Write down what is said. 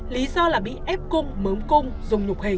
lý do là bị ép cung mớm cung